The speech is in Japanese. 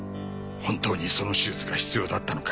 本当にその手術が必要だったのか？